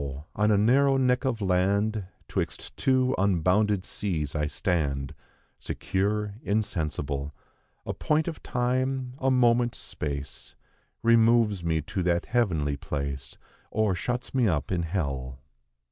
on a narrow neck of land, 'Twixt two unbounded seas I stand, Secure, insensible; A point of time, a moment's space, Removes me to that heavenly place, Or shuts me up in hell."